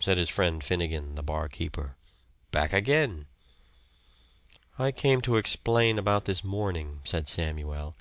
said his friend Finnegan, the bar keeper. "Back again!" "I came to explain about this morning," said Samuel.